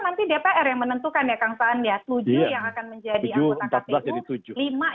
nanti dpr yang menentukan ya kang saan ya tujuh yang akan menjadi anggota kpu